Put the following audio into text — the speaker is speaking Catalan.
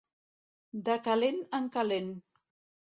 De calent en calent.